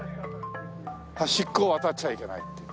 端っこを渡っちゃいけないっていう。